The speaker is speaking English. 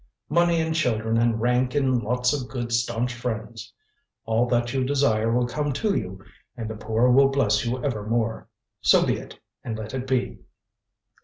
Money and children and rank and lots of good, staunch friends. All that you desire will come to you and the poor will bless you evermore. So be it and let it be."